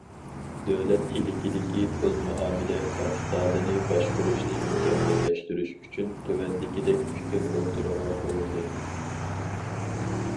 دۆلەت ئىلكىدىكى پۇل مۇئامىلە كاپىتالىنى باشقۇرۇشنى مۇكەممەللەشتۈرۈش ئۈچۈن تۆۋەندىكىدەك پىكىر ئوتتۇرىغا قويۇلدى.